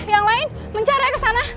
yang lain mencarinya kesana